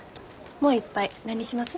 もう一杯何にします？